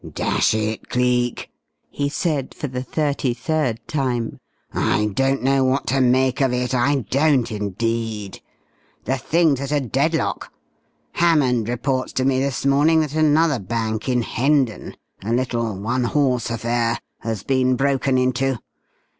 "Dash it, Cleek!" he said for the thirty third time, "I don't know what to make of it, I don't, indeed! The thing's at a deadlock. Hammond reports to me this morning that another bank in Hendon a little one horse affair has been broken into.